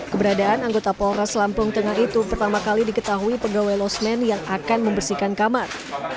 keberadaan anggota polres lampung tengah itu pertama kali diketahui pegawai losmen yang akan membersihkan kamar